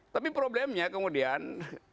tapi problemnya kemudian